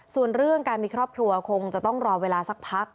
ส่วนเรื่องการมีครอบครัวคงจะต้องรอเวลาสักพัก